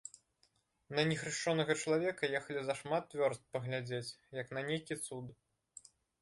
На нехрышчонага чалавека ехалі за шмат вёрст паглядзець, як на нейкі цуд.